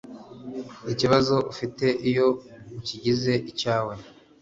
ikibazo ufite iyo ukigize icyawe